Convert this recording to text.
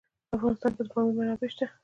په افغانستان کې د پامیر منابع شته.